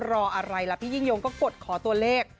รออะไรล่ะพี่ยิ่งยงก็กดขอตัวเลข